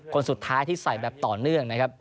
คนสุดท้ายที่ใส่แบบต่อเนื่องนะครับ